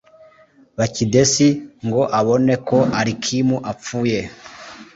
bakidesi ngo abone ko alikimu apfuye